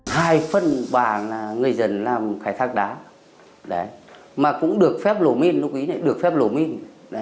hai phân bàn là người dân làm khai thác đá mà cũng được phép lổ minh lúc ý này được phép lổ minh